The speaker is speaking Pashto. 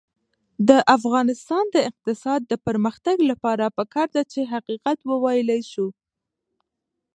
د افغانستان د اقتصادي پرمختګ لپاره پکار ده چې حقیقت وویلی شو.